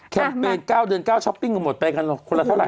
เปญ๙เดือน๙ช้อปปิ้งกันหมดไปกันคนละเท่าไ